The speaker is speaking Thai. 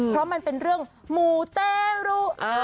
เพราะมันเป็นเรื่องหมูเตรุ